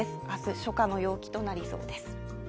明日、初夏の陽気となりそうです。